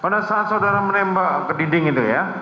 pada saat saudara menembak ke dinding itu ya